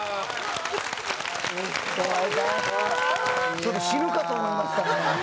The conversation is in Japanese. ちょっと死ぬかと思いましたね。